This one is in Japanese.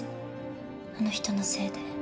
あの人のせいで。